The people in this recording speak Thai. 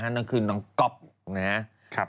นั่งคือน้องก๊อฟ